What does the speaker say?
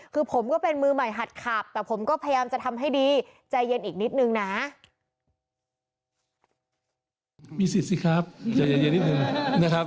คือผมก็เป็นมือใหม่หัดขาบแต่ผมก็พยายามจะทำให้ดี